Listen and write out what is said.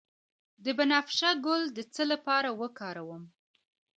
د بنفشه ګل د څه لپاره وکاروم؟